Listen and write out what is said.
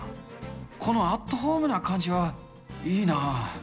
このアットホームな感じはいいなあ。